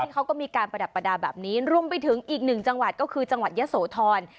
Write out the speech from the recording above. เขาก็มีการประดับประดาษแบบนี้รวมไปถึงอีกหนึ่งจังหวัดก็คือจังหวัดยะโสธร